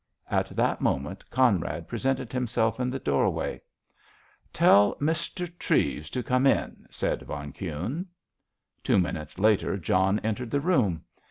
At that moment Conrad presented himself in the door way. "Tell Mr. Treves to come in," said von Kuhne. Two minutes later John entered the room.